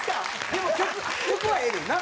でも曲はええねんな。